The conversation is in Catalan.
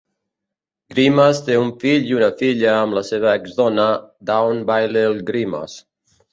Grimes té un fill i una filla amb la seva exdona, Dawn Bailey-Grimes.